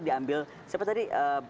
diambil siapa tadi